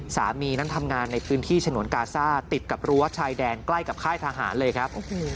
สามีนั้นทำงานในพื้นที่ฉนวนกาซ่าติดกับรั้วชายแดนใกล้กับค่ายทหารเลยครับ